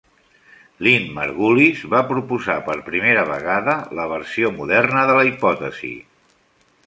Lynn Margulis va proposar per primera vegada la versió moderna de la hipòtesi.